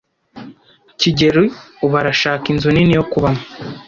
kigeli ubu arashaka inzu nini yo kubamo.